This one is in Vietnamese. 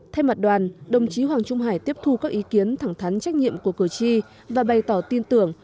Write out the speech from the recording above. thay mặt đoàn đồng chí hoàng trung hải tiếp thu các ý kiến thẳng thắn trách nhiệm của cử tri và bày tỏ tin tưởng